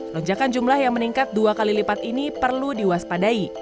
lonjakan jumlah yang meningkat dua kali lipat ini perlu diwaspadai